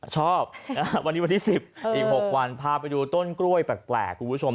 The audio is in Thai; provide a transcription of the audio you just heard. ชอบวันนี้วันที่๑๐อีก๖วันพาไปดูต้นกล้วยแปลกคุณผู้ชม